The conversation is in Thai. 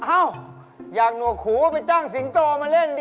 อ้าวอยากหนัวขูไปตั้งสิงโตมาเล่นดิ